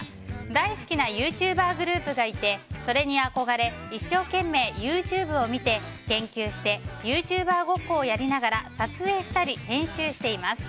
大好きなユーチューバーグループがいてそれに憧れ一生懸命ＹｏｕＴｕｂｅを見て研究してユーチューバーごっこをやりながら撮影したり編集しています。